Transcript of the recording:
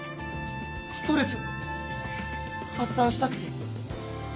ストレス発さんしたくて。